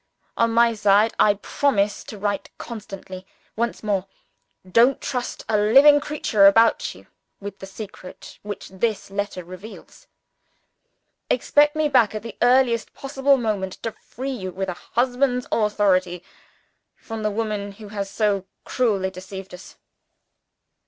"On my side, I promise to write constantly. Once more, don't trust a living creature about you with the secret which this letter reveals! Expect me back at the earliest possible moment, to free you with a husband's authority from the woman who has so cruelly deceived us.